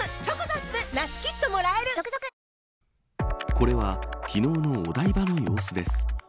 これは昨日のお台場の様子です。